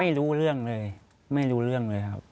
ไม่รู้เรื่องเลยไม่รู้เรื่องเลยครับ